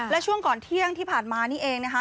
และช่วงก่อนเที่ยงที่ผ่านมานี่เองนะคะ